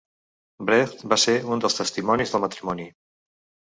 Brecht va ser un dels testimonis del matrimoni.